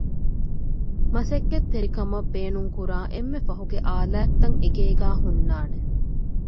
މަސައްކަތްތެރިކަމަށް ބޭނުންކުރާ އެންމެ ފަހުގެ އާލާތްތައް އެގޭގައި ހުންނާނެ